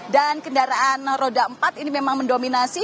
dan kendaraan roda empat ini memang mendominasi